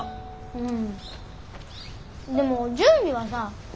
うん。